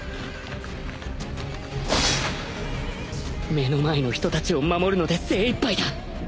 目の前の人たちを守るので精いっぱいだ！